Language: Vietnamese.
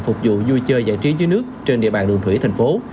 phục vụ vui chơi giải trí dưới nước trên địa bàn đường thủy thành phố